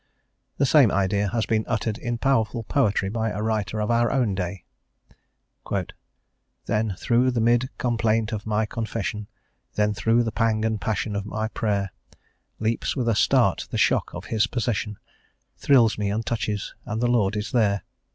The same idea has been uttered in powerful poetry by a writer of our own day: "Then thro' the mid complaint of my confession, Then thro' the pang and passion of my prayer, Leaps with a start the shock of His possession, Thrills me and touches, and the Lord is there.